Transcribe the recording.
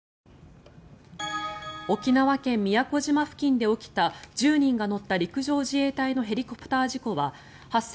沖縄県・宮古島付近で起きた１０人が乗った陸上自衛隊のヘリコプター事故は発生